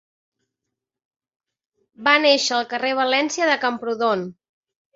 Va néixer al carrer València de Camprodon.